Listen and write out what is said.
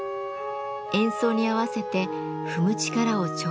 演奏に合わせて踏む力を調節。